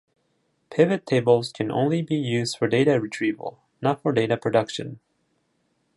Pivot tables can only be used for data retrieval, not for data production.